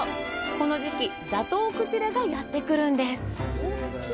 この時期、ザトウクジラがやってくるんです。